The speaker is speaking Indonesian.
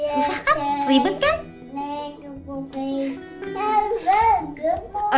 susah kan ribet kan